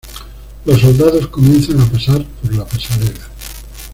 Los soldados comienzan a pasar por la pasarela.